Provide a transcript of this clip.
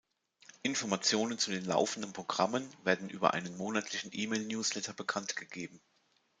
Informationen zu den laufenden Programmen werden über einen monatlichen E-Mail-Newsletter bekannt gegeben.